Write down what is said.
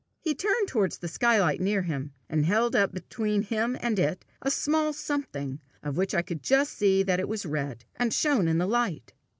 He turned towards the sky light near him, and held up between him and it a small something, of which I could just see that it was red, and shone in the light.